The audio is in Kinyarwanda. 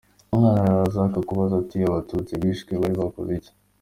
Umwana araza akakubaza ati ’Abatutsi bishwe bari barakoze iki?”.